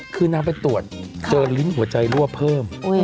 คือนางไปตรวจเจอลิ้นหัวใจรั่วเพิ่ม